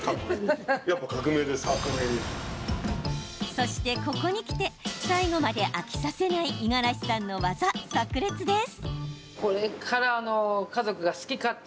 そして、ここにきて最後まで飽きさせない五十嵐さんの技、さく裂です。